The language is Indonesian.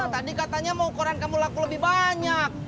tadi katanya mau koran kamu laku lebih banyak